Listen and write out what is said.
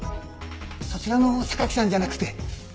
そちらの榊さんじゃなくて。